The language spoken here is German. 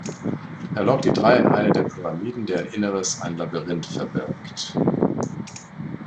Er lockt die Drei in eine der Pyramiden, deren Inneres ein Labyrinth verbirgt.